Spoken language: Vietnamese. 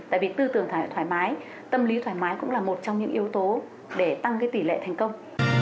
tại vì tư tưởng thoải mái tâm lý thoải mái cũng là một trong những yếu tố để tăng cái tỷ lệ thành công